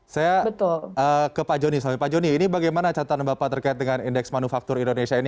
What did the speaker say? saya ke pak joni pak joni ini bagaimana catatan bapak terkait dengan indeks manufaktur indonesia ini